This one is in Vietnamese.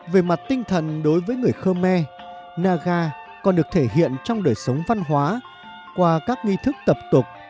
về mặt tinh thần đối với người khmer naga còn được thể hiện trong đời sống văn hóa qua các nghi thức tập tục liên quan đến naga